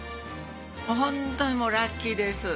本当にラッキーです。